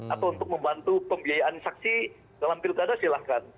atau untuk membantu pembiayaan saksi dalam pilkada silahkan